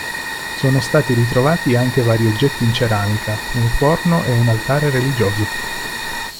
Sono stati ritrovati anche vari oggetti in ceramica, un forno, e un altare religioso.